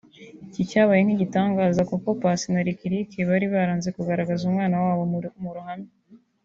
Iki cyabaye nk’igitangaza kuko Paccy na Lick Lick bari baranze kugaragaza umwana wabo mu ruhame